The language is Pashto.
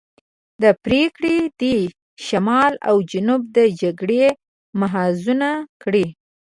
دا پرېکړې دې شمال او جنوب د جګړې محاذونه کړي.